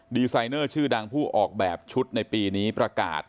ดีไซเนอร์ชื่อดังผู้ออกแบบชุดในปีนี้ประกาศ